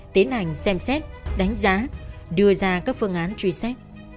tiến hành xem xét đánh giá đưa ra các phương án truy xét